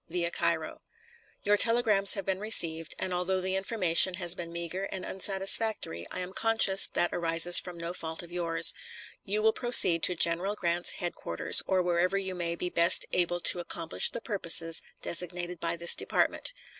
via Cairo: Your telegrams have been received, and although the information has been meager and unsatisfactory, I am conscious that arises from no fault of yours. You will proceed to General Grant's headquarters, or wherever you may be best able to accomplish the purposes designated by this department.